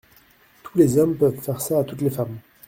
Tous les hommes peuvent faire ça à toutes les femmes.